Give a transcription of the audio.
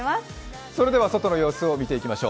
外の様子を見ていきましょう。